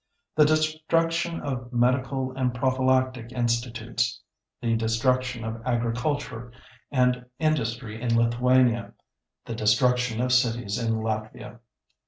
The destruction of medical and prophylactic institutes, the destruction of agriculture and industry in Lithuania, the destruction of cities in Latvia.